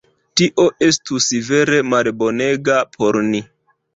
Tio estus vere malbonega por ni.